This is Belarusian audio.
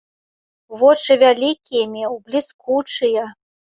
Вочы вялікія меў, бліскучыя.